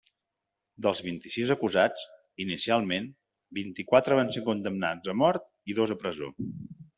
Dels vint-i-sis acusats, inicialment, vint-i-quatre van ser condemnats a mort i dos a presó.